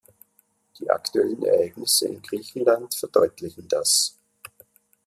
Die aktuellen Ereignisse in Griechenland verdeutlichen das.